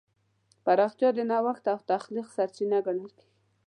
پراختیا د نوښت او تخلیق سرچینه ګڼل کېږي.